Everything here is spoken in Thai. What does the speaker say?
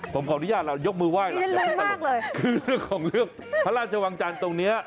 ผมขออนุญาตเรายกมือไห้หรอกอย่าให้ตลกเลยคือเรื่องของเรื่องพระราชวังจันทร์ตรงเนี้ย